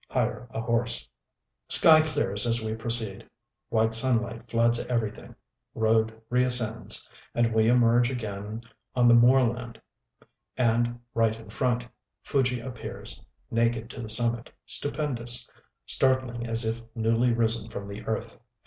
Hire a horse. Sky clears as we proceed; white sunlight floods everything. Road reascends; and we emerge again on the moorland. And, right in front, Fuji appears, naked to the summit, stupendous, startling as if newly risen from the earth.